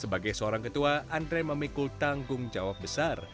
sebagai seorang ketua andre memikul tanggung jawab besar